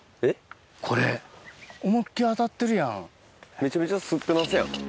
めちゃめちゃすってますやん。